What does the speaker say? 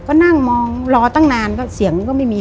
ก็นั่งมองรอตั้งนานก็เสียงก็ไม่มี